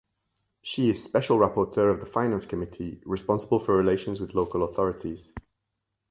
She is Special Rapporteur of the Finance Committee responsible for relations with local authorities.